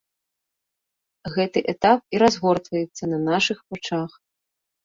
Гэты этап і разгортваецца на нашых вачах.